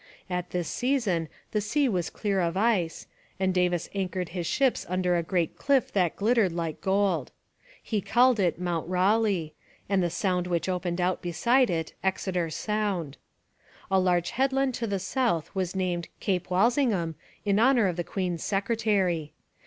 At this season the sea was clear of ice, and Davis anchored his ships under a great cliff that glittered like gold. He called it Mount Raleigh, and the sound which opened out beside it Exeter Sound. A large headland to the south was named Cape Walsingham in honour of the queen's secretary.